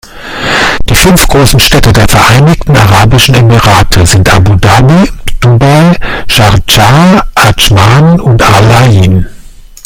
Die fünf großen Städte der Vereinigten Arabischen Emirate sind Abu Dhabi, Dubai, Schardscha, Adschman und Al-Ain.